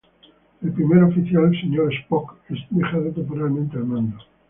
El primer oficial Sr. Spock es dejado temporalmente al mando.